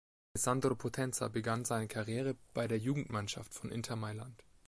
Alessandro Potenza begann seine Karriere bei der Jugendmannschaft von Inter Mailand.